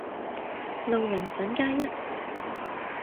路人粉加一